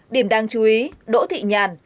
điểm đáng chú ý đỗ thị nhàn